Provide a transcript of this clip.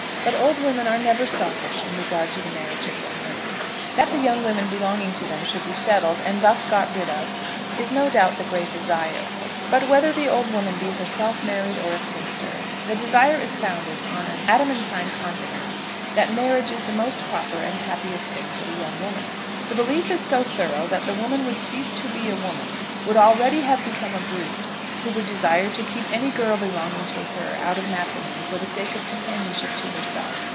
But old women are never selfish in regard to the marriage of young women. That the young women belonging to them should be settled, and thus got rid of, is no doubt the great desire; but, whether the old woman be herself married or a spinster, the desire is founded on an adamantine confidence that marriage is the most proper and the happiest thing for the young woman. The belief is so thorough that the woman would cease to be a woman, would already have become a brute, who would desire to keep any girl belonging to her out of matrimony for the sake of companionship to herself.